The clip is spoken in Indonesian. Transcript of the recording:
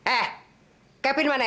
eh kevin mana